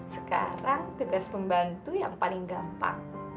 sekarang tugas pembantu yang paling gampang